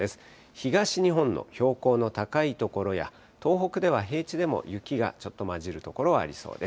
東日本の標高の高い所や、東北では平地でも雪がちょっとまじる所がありそうです。